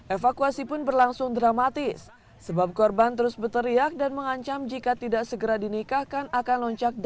evakuasi pun berlangsung dramatis sebab korban terus berteriak dan mengancam jika tidak segera dinikahkan akan loncak